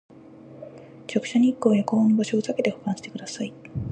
直射日光や高温の場所をさけて保管してください